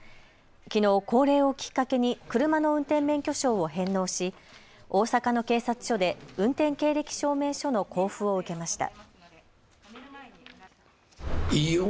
きのう高齢をきっかけに車の運転免許証を返納し大阪の警察署で運転経歴証明書の交付を受けました。